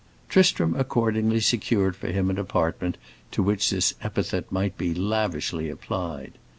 Tristram accordingly secured for him an apartment to which this epithet might be lavishly applied.